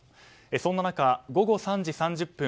そんな中、午後３時３０分